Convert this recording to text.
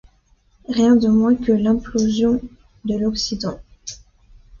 Rien de moins que l’implosion de l’Occident.